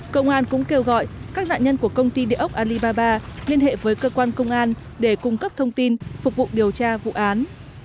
công an cũng kêu gọi các nạn nhân của công ty địa ốc alibaba liên hệ với cơ quan công an để cung cấp thông tin phục vụ điều tra vụ án